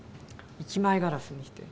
一枚ガラスにして。